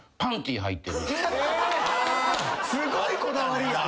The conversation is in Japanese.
すごいこだわりや！